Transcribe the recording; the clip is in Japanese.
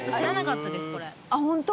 ホント？